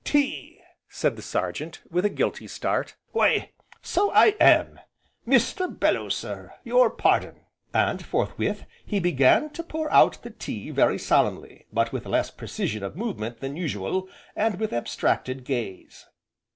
"Tea!" said the Sergeant with a guilty start, "why so I am! Mr. Bellew sir, your pardon!" and, forthwith he began to pour out the tea very solemnly, but with less precision of movement than usual, and with abstracted gaze.